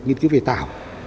nghiên cứu về tạo